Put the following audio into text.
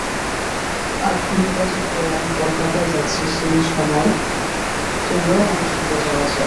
আর দিন-পাঁচেক পরে আমি কলকাতায় যাচ্ছি, সেই সময় তোমারও আমার সঙ্গে যাওয়া চাই।